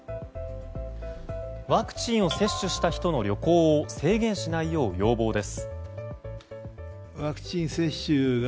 ワクチンを接種した人の旅行を制限しないよう要望です。